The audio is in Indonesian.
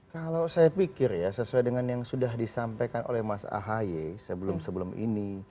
kalau saya pikir ya sesuai dengan yang sudah disampaikan oleh mas ahaye sebelum sebelum ini